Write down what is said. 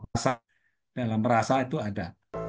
rasa dalam rasa itu ada